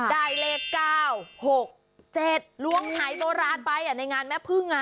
ได้เลข๙๖๗ลวงหายโบราณไปในงานแม่พึ่ง